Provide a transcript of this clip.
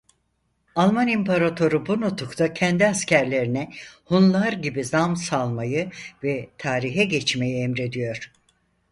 Alman İmparatoru bu nutukla kendi askerlerine Hunlar gibi nam salmayı ve tarihe geçmeyi emrediyor.